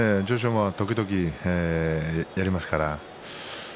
馬は時々やりますからね。